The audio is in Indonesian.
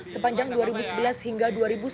sepanjang dua ribu sebelas hingga dua ribu sembilan belas